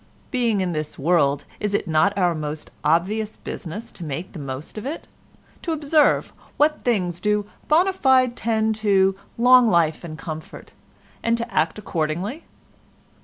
Being in this world is it not our most obvious business to make the most of it—to observe what things do bona fide tend to long life and comfort, and to act accordingly?